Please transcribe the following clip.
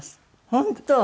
本当。